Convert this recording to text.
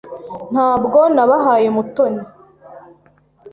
Ntabwo nabahaye Mutoni.